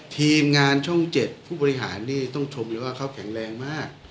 ทีมงานช่อง๗ผู้บริหารนี่ต้องชมเลยว่าเขาแข็งแรงมาก